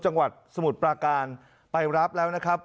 จังหวัดสมุทรปราการไปรับแล้วนะครับ